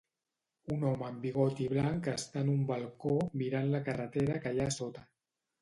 Un home amb bigoti blanc està en un balcó mirant la carretera que hi ha a sota.